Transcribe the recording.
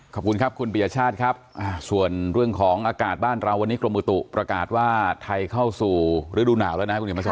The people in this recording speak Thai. ขอบคุณครับคุณปียชาติครับส่วนเรื่องของอากาศบ้านเราวันนี้กรมอุตุประกาศว่าไทยเข้าสู่ฤดูหนาวแล้วนะคุณเห็นมาส